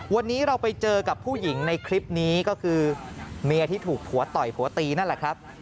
วันนี้เราไปเจอกับผู้หญิงในคลิปนี้ก็คือเมียที่ถูกผัวต่อยผัวตีนั่นแหละครับ